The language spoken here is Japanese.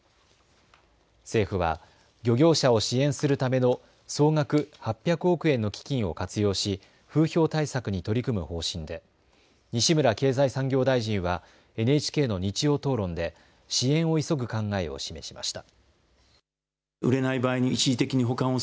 政府は漁業者を支援するための総額８００億円の基金を活用し風評対策に取り組む方針で西村経済産業大臣はＮＨＫの日曜討論で支援を急ぐ考えを示しました。